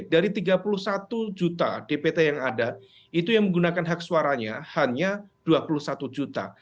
dari tiga puluh satu juta dpt yang ada itu yang menggunakan hak suaranya hanya dua puluh satu juta